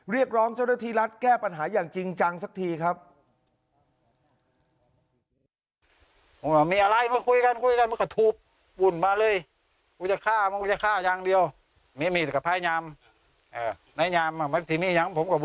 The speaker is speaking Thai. เรียกร้องเจ้าหน้าที่รัฐแก้ปัญหาอย่างจริงจังสักทีครับ